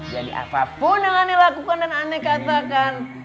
jadi apapun yang aneh lakukan dan aneh katakan